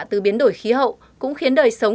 từ biến đổi khí hậu cũng khiến đời sống